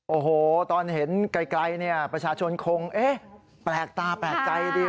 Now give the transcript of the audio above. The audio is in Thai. โอ้โหตอนเห็นไกลเนี่ยประชาชนคงแปลกตาแปลกใจดี